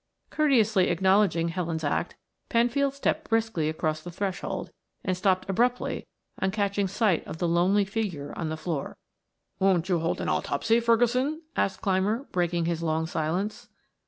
Courteously acknowledging Helen's act, Penfield stepped briskly across the threshold and stopped abruptly on catching sight of the lonely figure on the floor. "Won't you hold an autopsy, Ferguson?" asked Clymer, breaking his long silence.